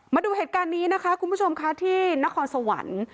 มาดูเหตุการณ์นี้นะคะคุณผู้ชมค่ะที่นครสวรรค์